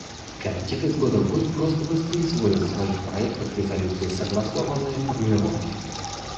Комитет из года в год просто воспроизводит в своих проектах резолюций согласованные формулировки.